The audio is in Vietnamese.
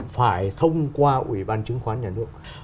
phải thông qua ủy ban chứng khoán nhà nước